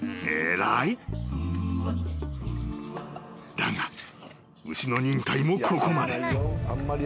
［だが牛の忍耐もここまで］